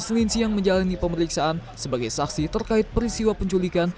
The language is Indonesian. selinsian menjalani pemeriksaan sebagai saksi terkait peristiwa penculikan